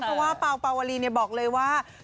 เพราะว่าเปล่าปาวลีบอกเลยว่า